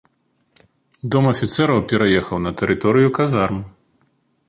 Дом афіцэраў пераехаў на тэрыторыю казарм.